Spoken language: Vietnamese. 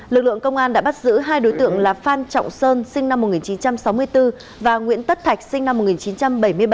lực lượng công an đã bắt giữ hai đối tượng là phan trọng sơn sinh năm một nghìn chín trăm sáu mươi bốn và nguyễn tất thạch sinh năm một nghìn chín trăm bảy mươi ba